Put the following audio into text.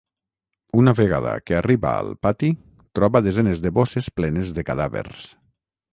Una vegada que arriba al pati, troba desenes de bosses plenes de cadàvers.